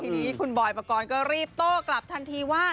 ทีนี้คุณบอยปกรณ์ก็รีบโต้กลับทันทีว่า